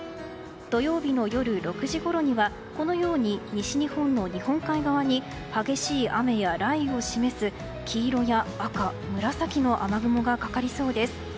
土曜日の夜６時ごろにはこのように西日本の日本海側に激しい雨や雷雨を示す黄色や赤、紫の雨雲がかかりそうです。